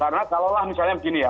karena kalau lah misalnya begini ya